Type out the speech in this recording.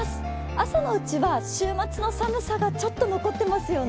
朝のうちは週末の寒さがちょっと残っていますよね。